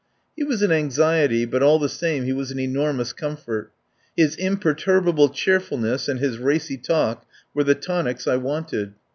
He was an anxiety, but all the same he was an enormous comfort. His imperturbable cheerfulness and his racy talk were the tonics I wanted.